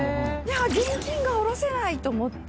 現金が下ろせない！と思って。